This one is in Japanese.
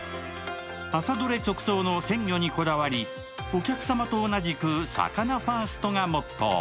朝どれ直送の鮮魚にこだわりお客様と同じく魚ファーストがモットー。